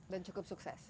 dan cukup sukses